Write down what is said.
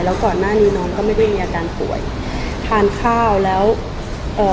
แล้วก่อนหน้านี้น้องก็ไม่ได้มีอาการป่วยทานข้าวแล้วเอ่อ